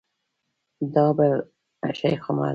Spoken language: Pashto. دا بل شیخ عمر دی.